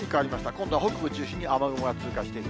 今度は北部中心に雨雲が通過していく。